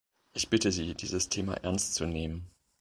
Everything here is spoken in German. Ich bitte Sie, dieses Thema ernst zu nehmen.